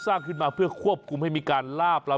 สร้างขึ้นมาเพื่อควบคุมให้มีการล่าปลา